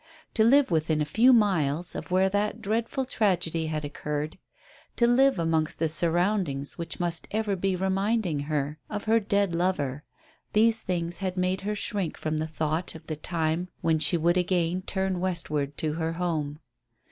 To live within a few miles of where that dreadful tragedy had occurred; to live amongst the surroundings which must ever be reminding her of her dead lover; these things had made her shrink from the thought of the time when she would again turn westward to her home.